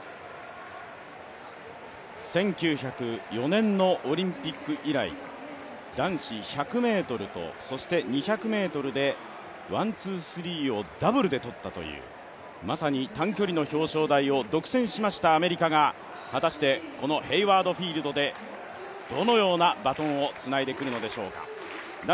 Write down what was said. １９０４年のオリンピック以来、男子１００ｍとそして２００ｍでワン・ツー・スリーをダブルでとったという、まさに短距離の表彰台を独占しましたアメリカが果たしてこのヘイワード・フィールドでどのようなバトンをつないでくるのでしょうか。